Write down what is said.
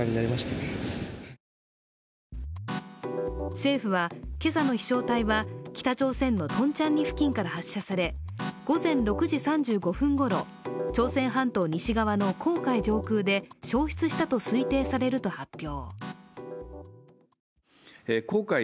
政府はけさの飛翔体は北朝鮮のトンチャンリ付近から発射され午前６時３５分ごろ、朝鮮半島西側の黄海上空で消失したと推定されると発表。